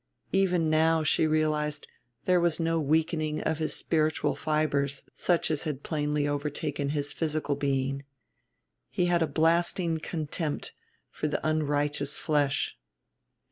Even now, she realized, there was no weakening of his spiritual fibers such as had plainly overtaken his physical being. He had a blasting contempt for the unrighteous flesh.